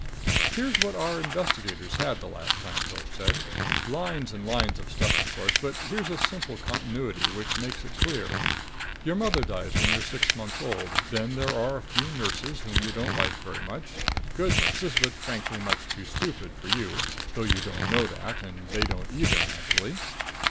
"Here's what our investigators had the last time," Pilch said. "Lines and lines of stuff, of course. But here's a simple continuity which makes it clear. Your mother dies when you're six months old. Then there are a few nurses whom you don't like very much. Good nurses but frankly much too stupid for you, though you don't know that, and they don't either, naturally.